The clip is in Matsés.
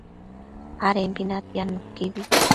adembi natiad nuquibi